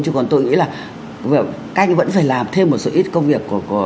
chứ còn tôi nghĩ là các anh vẫn phải làm thêm một số ít công việc của